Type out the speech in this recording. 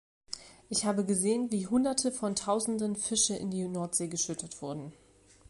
Ich habe gesehen, wie Hunderte von Tausenden Fische in die Nordsee geschüttet wurden.